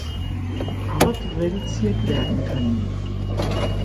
Art reduziert werden können.